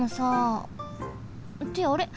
ってあれ？